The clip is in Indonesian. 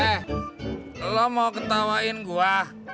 eh lu mau ketawain gua